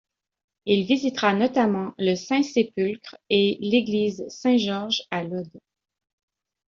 Il visitera notamment le Saint-Sépulcre et l'Église Saint-Georges à Lod.